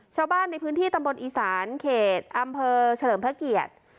ชาวบ้านในพื้นที่ตำบลอีสานเขตอำเภอเฉลิมพระเกียรติ